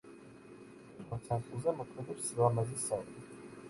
პირველ სართულზე მოქმედებს სილამაზის სალონი.